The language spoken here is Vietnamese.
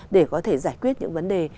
để có thể giải quyết những vấn đề